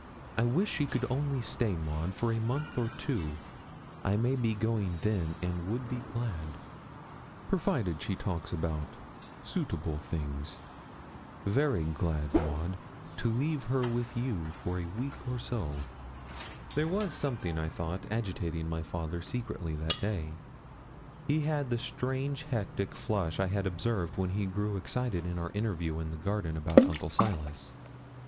I wish she could only stay, Maud, for a month or two; I may be going then, and would be glad provided she talks about suitable things very glad, Maud, to leave her with you for a week or so.' There was something, I thought, agitating my father secretly that day. He had the strange hectic flush I had observed when he grew excited in our interview in the garden about Uncle Silas.